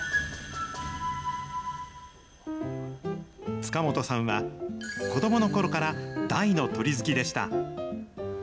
塚本さんは、子どものころから大の鳥好きでした。